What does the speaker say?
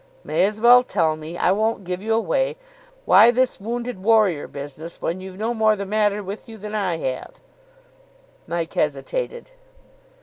"May as well tell me. I won't give you away. Why this wounded warrior business when you've no more the matter with you than I have?" Mike hesitated.